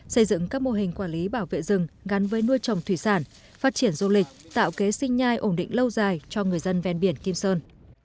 xây dựng các mô hình quản lý bảo vệ rừng gắn với nuôi trồng thủy sản phát triển du lịch tạo kế sinh nhai ổn định lâu dài cho người dân ven biển kim sơn